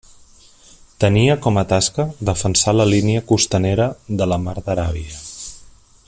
Tenia com a tasca defensar la línia costanera de la mar d'Aràbia.